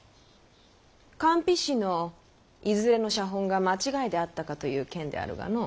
韓非子のいずれの写本が間違いであったかという件であるがの。